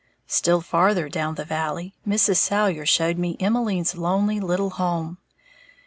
Still farther down the valley, Mrs. Salyer showed me Emmeline's lonely little home.